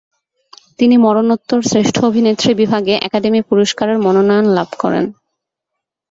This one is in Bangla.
তিনি মরণোত্তর শ্রেষ্ঠ অভিনেত্রী বিভাগে একাডেমি পুরস্কারের মনোনয়ন লাভ করেন।